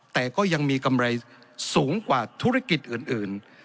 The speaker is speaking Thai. แต่ก็ยังมีกำไรสูงกว่าธุรกิจอื่น